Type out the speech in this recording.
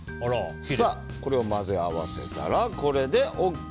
これを混ぜ合わせたらＯＫです。